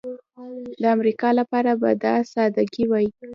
د امریکا لپاره به دا سادګي وای.